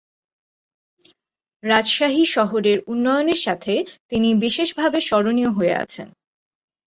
রাজশাহী শহরের উন্নয়নের সাথে তিনি বিশেষভাবে স্মরণীয় হয়ে আছেন।